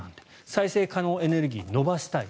再生可能エネルギー伸ばしたい。